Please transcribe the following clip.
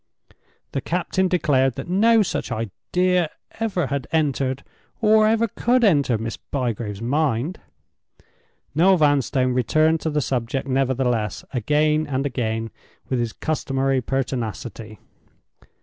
The captain declared that no such idea ever had entered, or ever could enter, Miss Bygrave's mind. Noel Vanstone returned to the subject nevertheless, again and again, with his customary pertinacity.